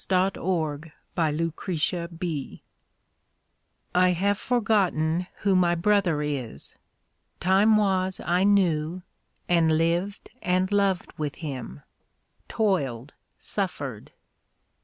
AT EASE ON LETHE WHARF.*^ I have forgotten who my brother is. Time was I knew, and lived and loved with him; Toiled, suffered.